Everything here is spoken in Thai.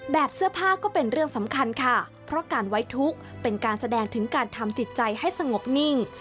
เสื้อผ้าก็เป็นเรื่องสำคัญค่ะเพราะการไว้ทุกข์เป็นการแสดงถึงการทำจิตใจให้สงบนิ่ง